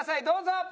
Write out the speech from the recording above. どうぞ！